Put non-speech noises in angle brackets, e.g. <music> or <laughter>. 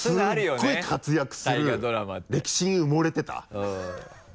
すごい活躍する歴史に埋もれてた <laughs>